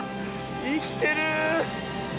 生きてる！